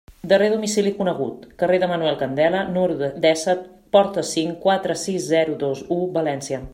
Darrer domicili conegut: carrer de Manuel Candela, número dèsset, porta cinc, quatre sis zero dos u, València.